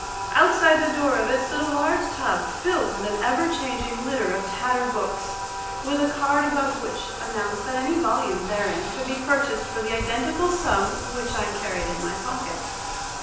Outside the door of it stood a large tub filled with an ever changing litter of tattered books, with a card above which announced that any volume therein could be purchased for the identical sum which I carried in my pocket.